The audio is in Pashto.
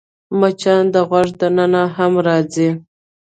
مچان د غوږ دننه هم راځي